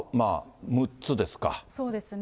そうですね。